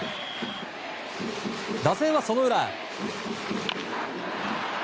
打線は、その裏。